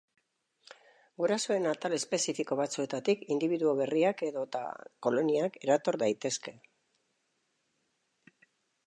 Gurasoen atal espezifiko batzuetatik indibiduo berriak edota koloniak erator daitezke.